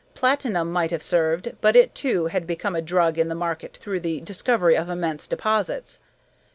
Platinum might have served, but it, too, had become a drug in the market through the discovery of immense deposits.